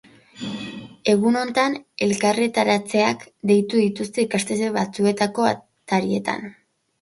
Egunotan elkarretaratzeak deitu dituzte ikastetxe batzuetako atarietan.